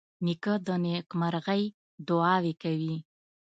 نیکه د نیکمرغۍ دعاوې کوي.